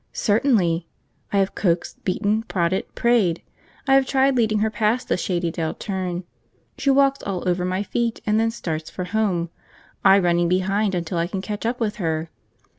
Certainly. I have coaxed, beaten, prodded, prayed. I have tried leading her past the Shady Dell turn; she walks all over my feet, and then starts for home, I running behind until I can catch up with her.